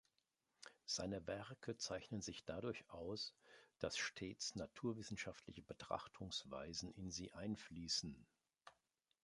Seine Werke zeichnen sich dadurch aus, dass stets naturwissenschaftliche Betrachtungsweisen in sie einfließen.